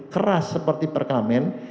keras seperti perkamen